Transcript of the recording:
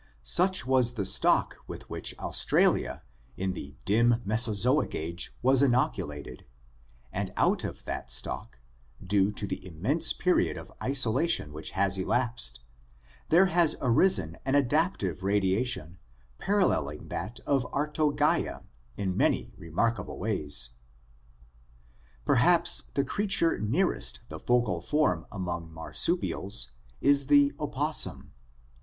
Such was the stock with which Aus tralia in the dim Mesozoic age was inoculated, and out of that stock, due to the immense period of isolation which has elapsed, there has arisen an adaptive radiation paralleling that of Arctogaea in many remarkable ways. Perhaps the creature nearest the focal form among marsupials is the opossum (Fig.